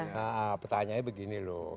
nah pertanyaannya begini loh